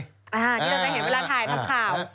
นี่เราจะเห็นเวลาถ่ายทำข่าว